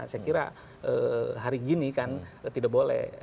saya kira hari gini kan tidak boleh